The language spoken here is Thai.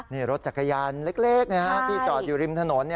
นี่รถจักรยานเล็กที่จอดอยู่ริมถนน